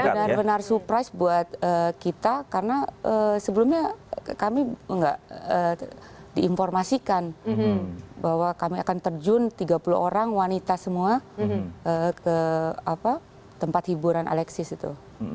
benar benar surprise buat kita karena sebelumnya kami nggak diinformasikan bahwa kami akan terjun tiga puluh orang wanita semua ke tempat hiburan alexis itu